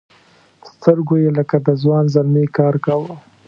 سترګو یې لکه د ځوان زلمي کار کاوه.